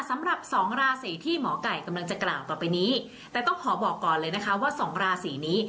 สำหรับสองราศีที่หมอไก่กำลังจะกล่าวต่อไปนี้แต่ต้องขอบอกก่อนเลยนะคะว่าสองราศีนี้